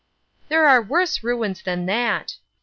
" There are worse ruins than that